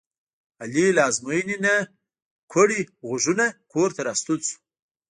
علي له ازموینې نه کوړی غوږونه کورته راستون شو.